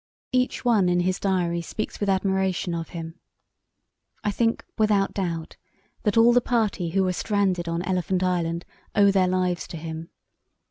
Each one in his diary speaks with admiration of him. I think without doubt that all the party who were stranded on Elephant Island owe their lives to him.